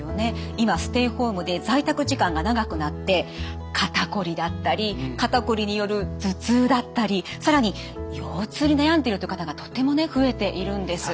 今ステイホームで在宅時間が長くなって肩こりだったり肩こりによる頭痛だったり更に腰痛に悩んでるっていう方がとても増えているんです。